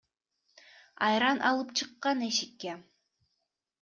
Айран алып чыккан эшикке.